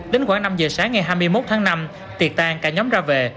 tính khoảng năm h sáng ngày hai mươi một tháng năm tiệc tan cả nhóm ra về